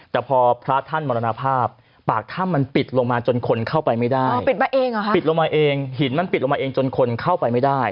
แต่พอพระท่านมรณภาพปากถ้ำมันปิดลงมาจนคนเข้าไปไม่ได้ปิดลงมาเองหินมันปิดลงมาเองจนคนเข้าไปไม่ได้